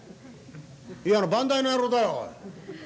いやあの番台の野郎だよおい。